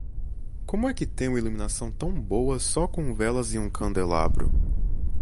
Como é que tem um iluminação tão boa só com velas e um candelabro?